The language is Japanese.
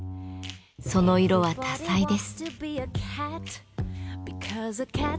その色は多彩です。